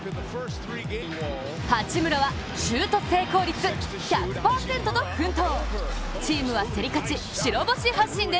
八村はシュート成功率１００％と奮闘！